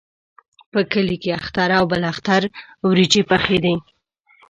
په کلي کې اختر او بل اختر وریجې پخېدې.